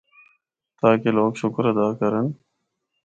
تاکہ لوگ شُکر ادا کرّن۔